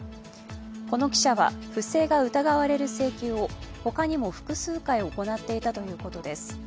この記者は不正が疑われる請求を他にも複数回行っていたということです。